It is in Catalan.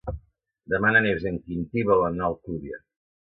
Demà na Neus i en Quintí volen anar a Alcúdia.